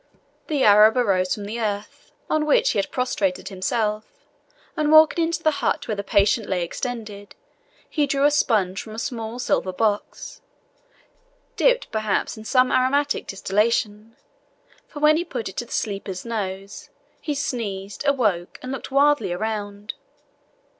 The Arab arose from the earth, on which he had prostrated himself, and walking into the hut where the patient lay extended, he drew a sponge from a small silver box, dipped perhaps in some aromatic distillation, for when he put it to the sleeper's nose, he sneezed, awoke, and looked wildly around.